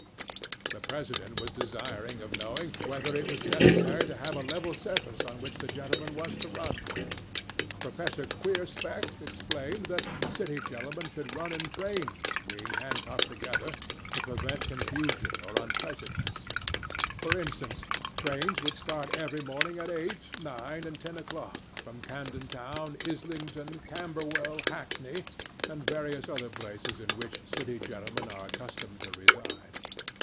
'THE PRESIDENT was desirous of knowing whether it was necessary to have a level surface on which the gentleman was to run. 'PROFESSOR QUEERSPECK explained that City gentlemen would run in trains, being handcuffed together to prevent confusion or unpleasantness. For instance, trains would start every morning at eight, nine, and ten o'clock, from Camden Town, Islington, Camberwell, Hackney, and various other places in which City gentlemen are accustomed to reside.